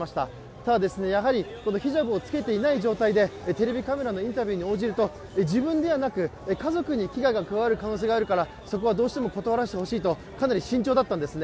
ただやはりヒジャブをつけていてない状態でテレビカメラのインタビューに答えると自分ではなく、家族に危害が加わる可能性があるからそこはどうしても断らせてほしいと、かなり慎重だったんですね。